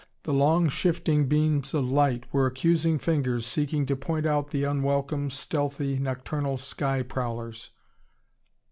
The long, shifting beams of light were accusing fingers seeking to point out the unwelcome, stealthy nocturnal sky prowlers.